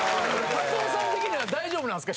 加藤さん的には大丈夫なんすか？